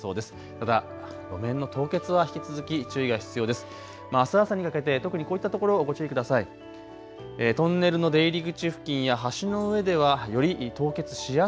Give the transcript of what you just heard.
ただ路面の凍結は引き続き注意が必要です。